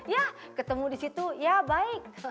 ya ketemu disitu ya baik